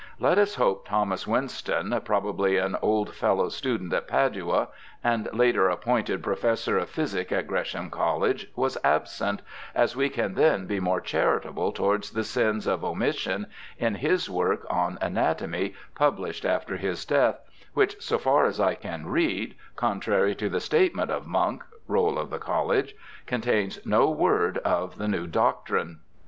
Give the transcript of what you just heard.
Let us hope Thomas Winston, probably an old fellow student at Padua, and later appointed Pro fessor of Physic at Gresham College, was absent, as we can then be more charitable towards the sins of omission in his work on Anatomy, published after his death, which, so far as I can read, contrary to the statement of Munk (Roll of the College), contains no word of the new doctrine.